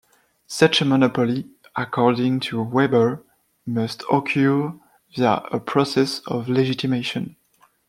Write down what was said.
Such a monopoly, according to Weber, must occur via a process of legitimation.